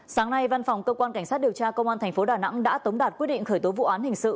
sáng nay văn phòng cơ quan cảnh sát điều tra công an tp đà nẵng đã tống đạt quyết định khởi tố vụ án hình sự